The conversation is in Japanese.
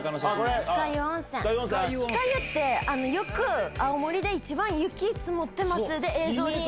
酸ヶ湯って、よく青森で一番雪積もってます、映像に。